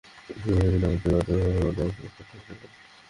এভাবে বিনা বিচারে আটকে রাখা মোটেই আইনের শাসন সমর্থন করে না।